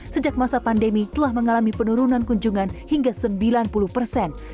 sejak masa pandemi telah mengalami penurunan kunjungan hingga sembilan puluh persen